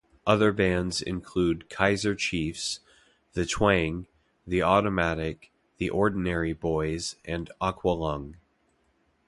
Other bands include Kaiser Chiefs, The Twang, The Automatic, The Ordinary Boys and Aqualung.